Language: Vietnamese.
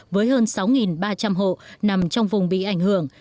với hơn sáu ba trăm linh hộ nằm trong vùng bị ảnh hưởng